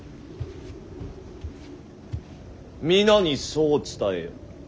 皆にそう伝えよ。